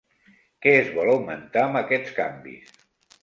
Què es vol augmentar amb aquests canvis?